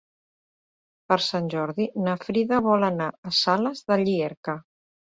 Per Sant Jordi na Frida vol anar a Sales de Llierca.